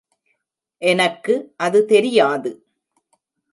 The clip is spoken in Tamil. எனக்கு அது தெரியாது.